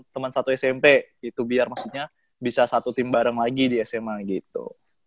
teman satu smp gitu biar maksudnya bisa satu tim bareng lagi di sma gitu